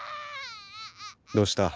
どうした？